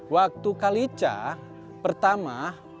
waktu kalista pertama